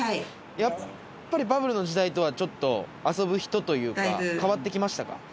やっぱりバブルの時代とはちょっと遊ぶ人というか変わって来ましたか？